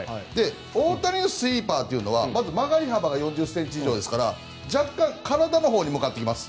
大谷のスイーパーは曲がり幅が４０ｃｍ以上ですから若干体のほうに向かってきます。